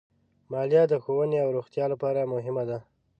مالیه د ښوونې او روغتیا لپاره مهمه ده.